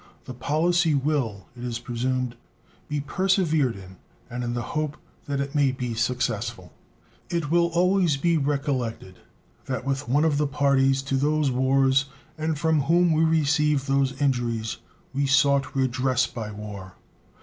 The policy will, it is presumed, be persevered in, and in the hope that it may be successful. It will always be recollected that with one of the parties to those wars and from whom we received those injuries, we sought redress by war.